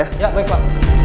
ya baik pak